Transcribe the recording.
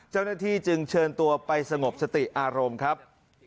เจ้าหน้าที่จึงเชิญตัวไปสงบสติอารมณ์ครับ